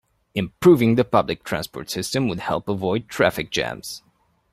Improving the public transport system would help avoid traffic jams.